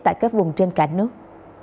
tại các vùng trên cả nước